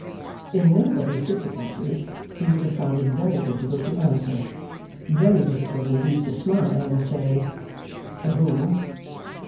In nobody's difficulties, he would have found it very difficult to answer; very difficult indeed to smile, and say 'Who?